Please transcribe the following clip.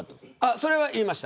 それは言いました。